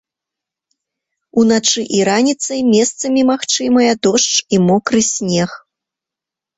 Уначы і раніцай месцамі магчымыя дождж і мокры снег.